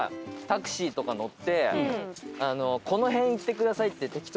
タクシーとか乗って「この辺行ってください」って適当に言って。